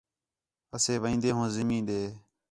اسے وین٘دے ہوں زمین ݙے